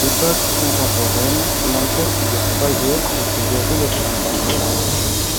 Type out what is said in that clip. Époque contemporaine, l'enquête dure trois jours et se déroule au printemps.